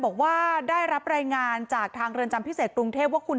บอกว่าได้รับรายงานจากทางเรือนจำพิเศษกรุงเทพว่าคุณ